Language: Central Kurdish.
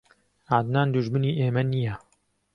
عەدنان دوژمنی ئێمە نییە.